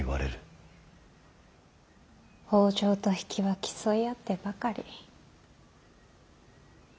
北条と比企は競い合ってばかり。